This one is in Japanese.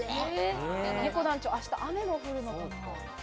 ねこ団長、明日雨が降るのかな？